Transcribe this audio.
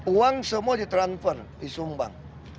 uang semua ditransfer disumbang